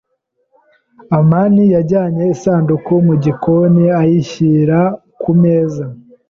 amani yajyanye isanduku mu gikoni ayishyira ku meza.